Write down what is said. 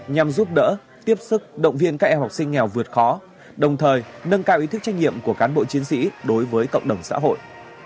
nhằm giúp đỡ tiếp sức động viên các em học sinh nghèo vượt khó đồng thời nâng cao ý thức trách nhiệm của cán bộ chiến sĩ đối với cộng đồng xã hội